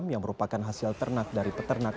yang merupakan hasil ternak dari peternak